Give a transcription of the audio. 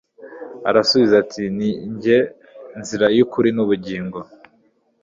arasubiza ati nige nzira yukuri nubugingo